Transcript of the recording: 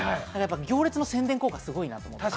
行列の宣伝効果はすごいと思います。